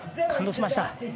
感動しました。